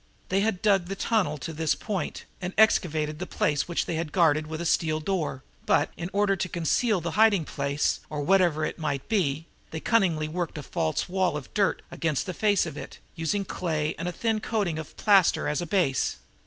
They had dug the tunnel to this point and excavated a place which they had guarded with a steel door, but, in order to conceal the hiding place, or whatever it might be, they cunningly worked the false wall of dirt against the face of it, using clay and a thin coating of plaster as a base.